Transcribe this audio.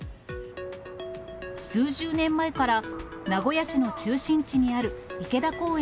数十年前から名古屋市の中心地にある池田公園